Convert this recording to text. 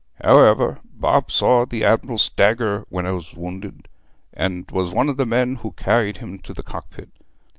However, Bob saw the Adm'l stagger when 'a was wownded, and was one of the men who carried him to the cockpit.